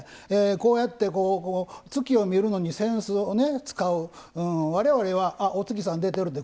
こうやって月を見るのに扇子を使う、われわれはあっ、お月さん出てるって